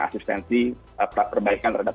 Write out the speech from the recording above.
asistensi perbaikan terhadap